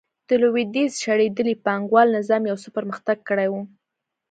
د لوېدیځ شړېدلي پانګوال نظام یو څه پرمختګ کړی و.